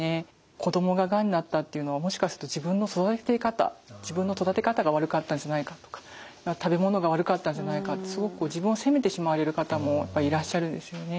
子供ががんになったっていうのをもしかすると自分の育て方が悪かったんじゃないかとか食べ物が悪かったんじゃないかってすごく自分を責めてしまわれる方もいらっしゃるんですよね。